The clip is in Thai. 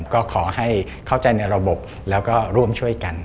ก็ขอให้เข้าใจในระบบแล้วก็ร่วมช่วยกัน